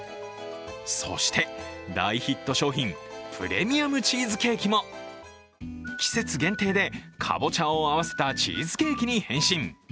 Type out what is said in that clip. そして、大ヒット商品プレミアムチーズケーキも季節限定でかぼちゃを合わせたチーズケーキに変身。